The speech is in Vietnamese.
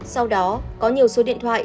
sau đó có nhiều số điện thoại